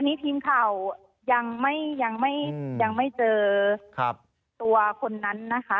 อันนี้ทีมข่าวยังไม่เจอตัวคนนั้นนะคะ